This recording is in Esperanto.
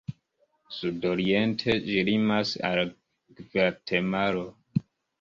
Sudoriente ĝi limas al Gvatemalo.